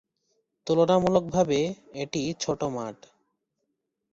তুলনামূলকভাবে এটি ছোট মাঠ।